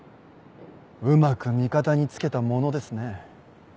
うまく味方につけたものですね。